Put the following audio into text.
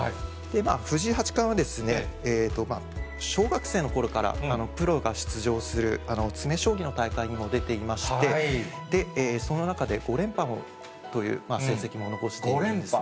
藤井八冠は、小学生のころからプロが出場する詰め将棋の大会にも出ていまして、その中で５連覇という成績も残しているんですね。